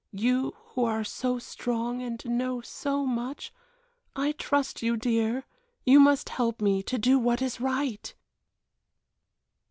You who are so strong and know so much I trust you, dear you must help me to do what is right."